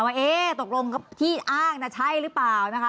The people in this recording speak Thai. ว่าเอ๊ะตกลงที่อ้างนะใช่หรือเปล่านะคะ